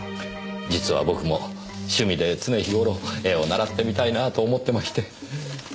実は僕も趣味で常日頃絵を習ってみたいなあと思ってまして。